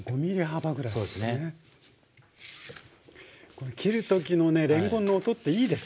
これ切る時のねれんこんの音っていいですね。